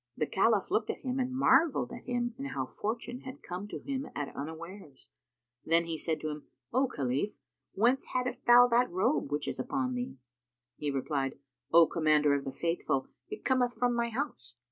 The Caliph looked at him and marvelled at him and how fortune had come to him at unawares; then he said to him, "O Khalif, whence hadst thou that robe which is upon thee?" He replied, "O Commander of the Faithful, it cometh from my house."